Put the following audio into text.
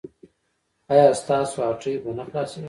ایا ستاسو هټۍ به نه خلاصیږي؟